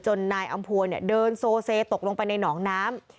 จนนายอำภวนเนี่ยเดินโซเซตกลงไปในน้องน้ำ